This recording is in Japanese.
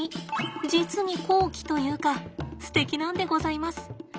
実に高貴というかステキなんでございます。